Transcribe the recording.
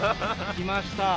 きました。